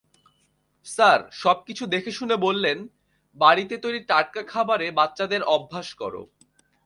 Sir সবকিছু দেখেশুনে বললেন, বাড়িতে তৈরি টাটকা খাবারে বাচ্চাদের অভ্যাস করো।